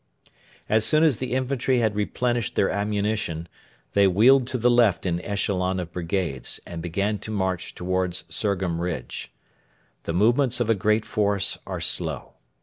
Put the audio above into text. As soon as the infantry had replenished their ammunition, they wheeled to the left in echelon of brigades, and began to march towards Surgham ridge. The movements of a great force are slow.